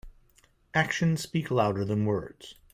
Actions speak louder than words.